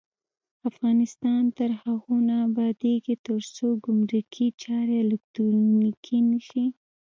افغانستان تر هغو نه ابادیږي، ترڅو ګمرکي چارې الکترونیکي نشي.